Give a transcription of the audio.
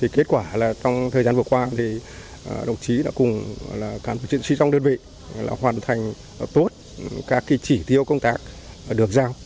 kết quả là trong thời gian vừa qua đồng chí đã cùng các bộ chức sĩ trong đơn vị hoàn thành tốt các chỉ tiêu công tác được giao